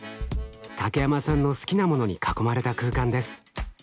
竹山さんの好きなものに囲まれた空間です。